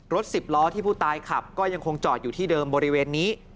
สิบล้อที่ผู้ตายขับก็ยังคงจอดอยู่ที่เดิมบริเวณนี้